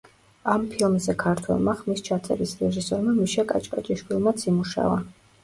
ამ ფილმზე ქართველმა ხმის ჩაწერის რეჟისორმა მიშა კაჭკაჭიშვილმაც იმუშავა.